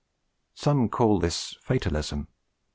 Some call this fatalism.